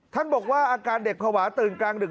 ท่านบอกว่าอาการเด็กภาวะตื่นกลางดึก